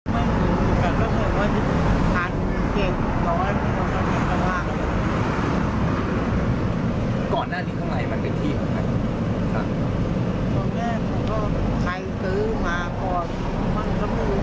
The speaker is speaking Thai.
เป็นวัดภาษาและมีวัดโภษกับมันลงมากด้วย